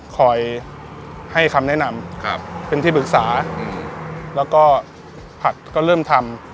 คอยให้คำแนะนำเป็นที่ปรึกษาแล้วก็ผักก็เริ่มทำ